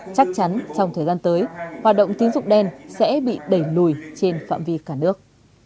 chắc chắn trong thời gian tới hoạt động tín dụng đen sẽ bị đẩy lùi trên phạm vi cả nước